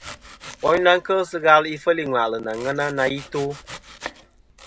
Woynda kel sɨ ghal ifel i ŋwà'lɨ nɨ aŋen na i to.